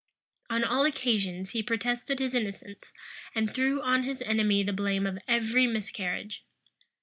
On all occasions, he protested his innocence, and threw on his enemy the blame of every miscarriage.